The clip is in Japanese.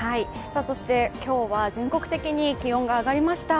そして今日は全国的に気温が上がりました。